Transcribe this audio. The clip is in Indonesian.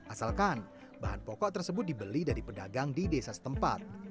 asalkan bahan pokok tersebut dibeli dari pedagang di desa setempat